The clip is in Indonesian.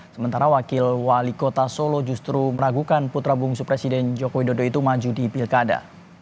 sementara wakil wali kota solo justru meragukan putra bungsu presiden joko widodo itu maju di pilkada